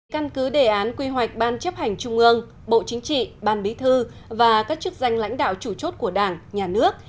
căn cứ đề án quy hoạch ban chấp hành trung ương bộ chính trị ban bí thư và các chức danh lãnh đạo chủ chốt của đảng nhà nước